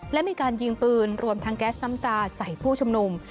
และมีการยิงปืนรวมทั้งแก๊สน้ำตาใส่ผู้ชุมนุม